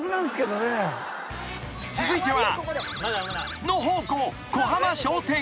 ［続いては］